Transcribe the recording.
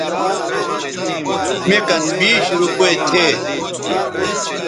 مے کن بیش روپے تھے